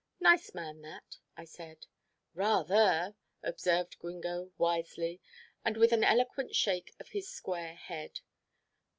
"Nice man, that," I said. "Rather," observed Gringo wisely, and with an eloquent shake of his square head.